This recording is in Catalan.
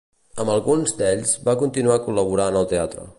Amb alguns d'ells va continuar col·laborant al teatre.